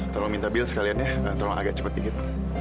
tolong minta bil sekalian ya tolong agak cepet dikit